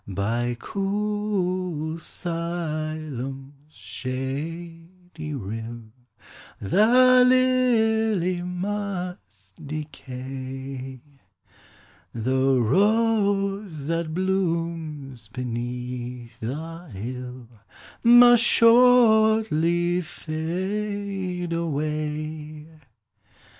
By cool Siloam's shady rill The lily must decay; The rose that blooms beneath the hill Must shortly fade away.